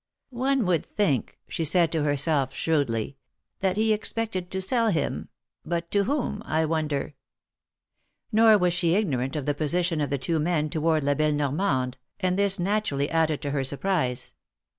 '^One would think," she said to herself, shrewdly, ^^that he expected to sell him ; but to whom, I wonder ?" Nor was she ignorant of the position of the two men toward La belle Normande, and this naturally added to her 269 ^•. OF PARIS. surprise.